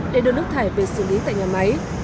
để đưa nước thải về xử lý tại nhà máy